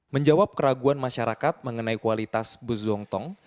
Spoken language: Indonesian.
menjawab keraguan masyarakat mengenai kualitas bus zongtong